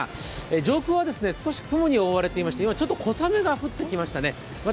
上空は少し雲に覆われていまして今、少し小雨が降ってきましたね。